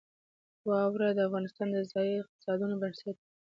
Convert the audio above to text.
واوره د افغانستان د ځایي اقتصادونو بنسټ دی.